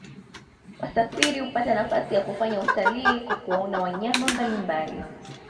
wasafiri hupata nafasi ya kufanya utalii kwa kuwaona wanyama mbalimbali